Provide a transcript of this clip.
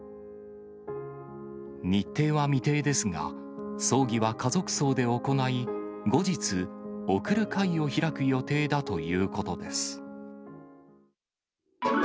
日程は未定ですが、葬儀は家族葬で行い、後日、送る会を開く予定だということです。